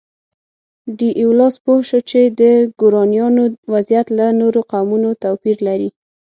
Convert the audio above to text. ډي ایولاس پوه شو چې د ګورانیانو وضعیت له نورو قومونو توپیر لري.